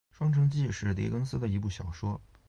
《双城记》是狄更斯的一部小说。